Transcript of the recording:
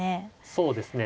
そうですね。